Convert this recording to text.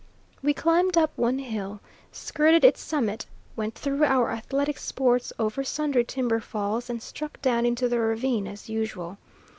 We climbed up one hill, skirted its summit, went through our athletic sports over sundry timber falls, and struck down into the ravine as usual.